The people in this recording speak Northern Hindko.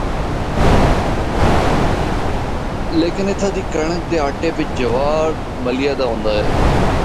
لیکن اتھا دی کنڑک دے آٹے بچ جوار ملیا دا ہوندا ہے۔